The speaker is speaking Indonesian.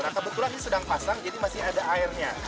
nah kebetulan ini sedang pasang jadi masih ada airnya